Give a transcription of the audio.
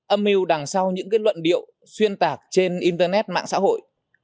âm mưu đằng sau những kết luận điệu xuyên tạc trên internet mạng xã hội